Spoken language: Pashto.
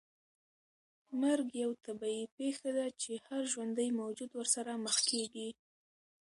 مرګ یوه طبیعي پېښه ده چې هر ژوندی موجود ورسره مخ کېږي.